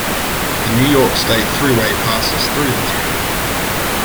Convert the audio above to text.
The New York State Thruway passes through the town.